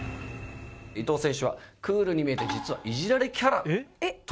伊藤選手はクールに見えて実はいじられキャラという事ですね。